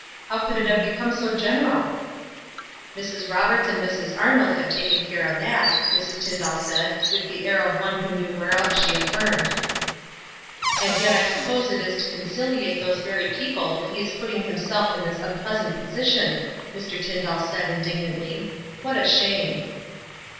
How could it have become so gen eral?" "Mrs. Roberts and Mrs. Arnold have taken care of that," Mrs. Tyndall said, with the air of one who knew whereof she affirmed. "And yet I suppose it is to conciliate those very people that he is putting himself in this unpleasant position," Mr. Tyndall said, indig nantly. "What a shame!"